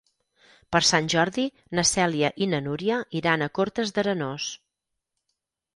Per Sant Jordi na Cèlia i na Núria iran a Cortes d'Arenós.